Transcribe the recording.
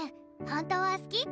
本当はすき？